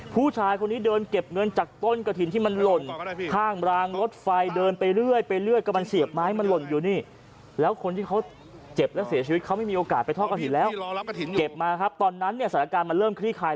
ผู้ชายคนนี้เดินเก็บเงินจากต้นกระถิ่นที่มันหล่นข้างรางรถไฟเดินไปเรื่อยกำลังเสียบไม้มันหล่นอยู่นี่